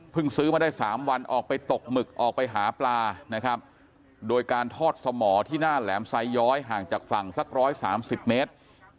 ซื้อมาได้๓วันออกไปตกหมึกออกไปหาปลานะครับโดยการทอดสมอที่หน้าแหลมไซย้อยห่างจากฝั่งสัก๑๓๐เมตร